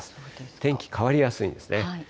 天気、変わりやすいんですね。